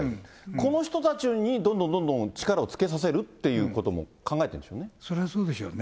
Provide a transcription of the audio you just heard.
この人たちにどんどんどんどん力をつけさせるっていうことも考えそりゃそうでしょうね。